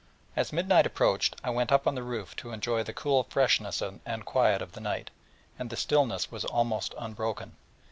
As midnight approached, I went up on the roof to enjoy the cool freshness and quiet of the night, and the stillness was almost unbroken.